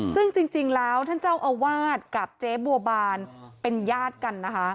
ซึ่งจริงแล้วท่านเจ้าอาวาสกับเจ๊บัวบานเป็นญาติกันนะคะ